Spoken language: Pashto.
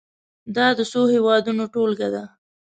دا د څو هېوادونو ټولګه ده.